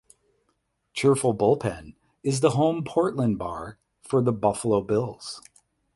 Cheerful Bullpen is the home Portland bar for the Buffalo Bills.